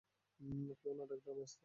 কেউ না ডাকলেও আমি আসতাম।